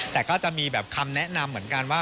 แต่ก็จะมีแบบคำแนะนำเหมือนกันว่า